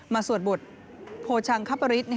มาสวดบุตรโภชังคัปริศ